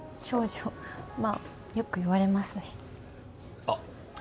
長女まあよく言われますねあ